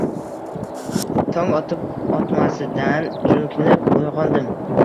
Tong otib-otmasidanoq junjikib uyg‘ondim